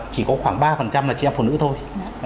chỉ có khoảng ba là chị em phụ nữ thôi